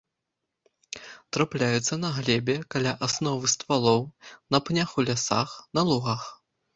Трапляюцца на глебе, каля асновы ствалоў, на пнях у лясах, на лугах.